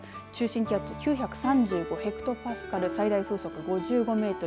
中心気圧は９３５ヘクトパスカル最大風速５５メートル